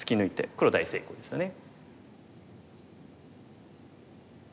黒大成功ですよね。